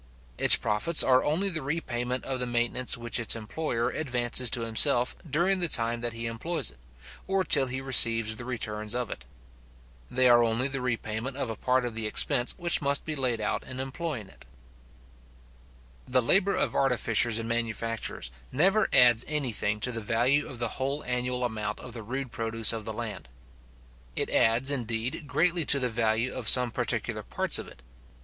Its profits are only the repayment of the maintenance which its employer advances to himself during the time that he employs it, or till he receives the returns of it. They are only the repayment of a part of the expense which must be laid out in employing it. The labour of artificers and manufacturers never adds any thing to the value of the whole annual amount of the rude produce of the land. It adds, indeed, greatly to the value of some particular parts of it.